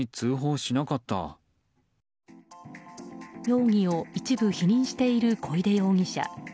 容疑を一部否認している小出容疑者。